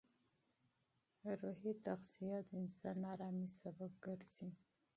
روحي تغذیه د انسان ارامۍ سبب ګرځي.